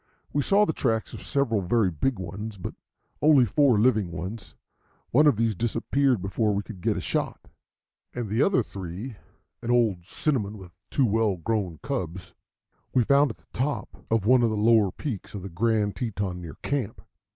We saw the tracks of several very big ones, but only four living ones. One of these disappeared before we could get a shot, and the other three, an old cinnamon with two well grown cubs, we found at the top of one of the lower peaks of the Grand Teton near camp.